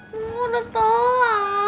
bunga udah tolong